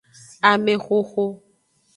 Amexoxo.